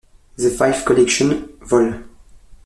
The Jive Collection, Vol.